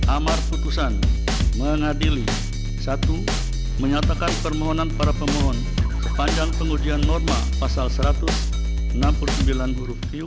amar putusan mengadili satu menyatakan permohonan para pemohon sepanjang pengujian norma pasal satu ratus enam puluh sembilan huruf q